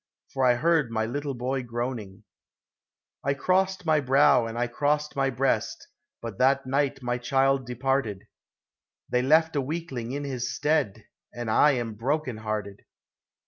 For I heard my little boy groaning. FAIRIES: ELVES: SPRITES. 33 I crossed my brow and I crossed my breast, But that night my child departed, — They left a weakling in his stead, And I am broken hearted